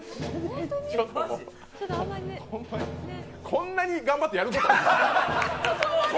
こんなに頑張ってやること？